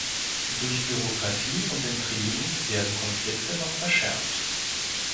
Durch Bürokratie und Intrigen werden Konflikte noch verschärft.